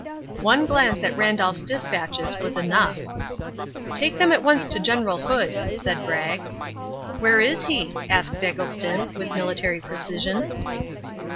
One glance at Randolph's despatches was enough. "Take them at once to General Hood," said Bragg. "Where is he?" asked Eggleston, with military precision.